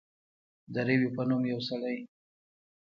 د روي په نوم یو سړی.